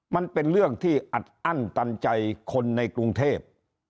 มันเป็นเรื่องที่อัดอั้นตันใจคนในกรุงเทพ